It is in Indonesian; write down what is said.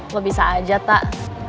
lo bisa aja tak